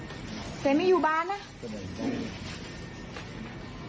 ตำรวจบอกว่าแค่ผลักไม่ถือว่าเป็นการทำร้ายร่างกาย